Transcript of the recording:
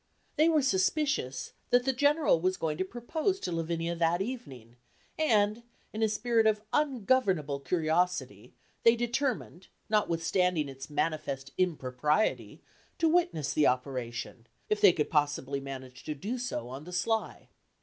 They were suspicious that the General was going to propose to Lavinia that evening, and, in a spirit of ungovernable curiosity, they determined, notwithstanding its manifest impropriety, to witness the operation, if they could possibly manage to do so on the sly.